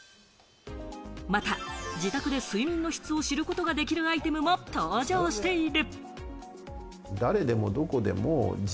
また、自宅で睡眠の質を知ることができるアイテムも登場している。